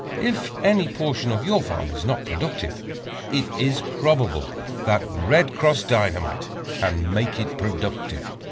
If any portion of your farm is not productive, it is probable that "Red Cross" Dynamite can make it productive.